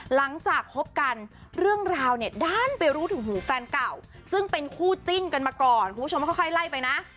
หลังจากคบกันเรื่องราวเนี่ยด้านไปรู้ถึงหูแฟนเก่าซึ่งเป็นคู่จิ้นกันมาก่อนคุณผู้ชมค่อยไล่ไปนะ